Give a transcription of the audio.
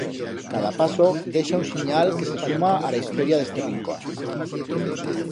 Cada paso deixa un sinyal que se suma a ra historia d'este rincón.